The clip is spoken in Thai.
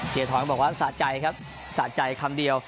ท้อนบอกว่าสะใจครับสะใจคำเดียว